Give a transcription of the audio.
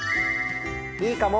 いいかも！